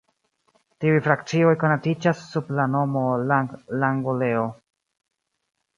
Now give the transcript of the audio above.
Tiuj frakcioj konatiĝas sub la nomo Ilang-Ilangoleo.